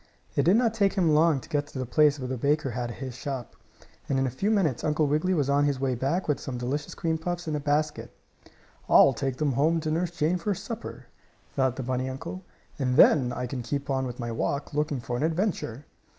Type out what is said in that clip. It did not take him long to get to the place where the baker had his shop. And in a few minutes Uncle Wiggily was on his way back with some delicious cream puffs in a basket. "I'll take them home to Nurse Jane for supper," thought the bunny uncle, "and then I can keep on with my walk, looking for an adventure."